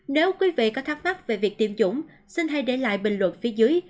nếu quý vị có thắc mắc về việc tiêm dũng xin hãy để lại bình luận phía dưới